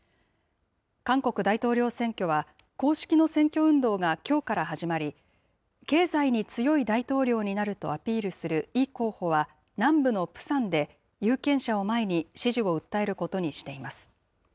韓国大統領選挙は、公式の選挙運動がきょうから始まり、経済に強い大統領になるとアピールするイ候補は、南部のプサンで有権者を前に、支持を訴えることにしています。